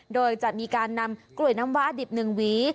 โดยจะมีการนำกล้วยน้ำว้าดิบ๑หวี